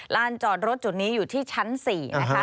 ลานจอดรถจุดนี้อยู่ที่ชั้น๔นะคะ